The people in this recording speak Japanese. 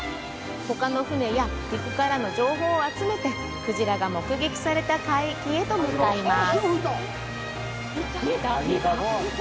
ほかの船や陸からの情報を集めて、鯨が目撃された海域へと向かいます。